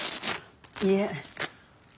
いえ。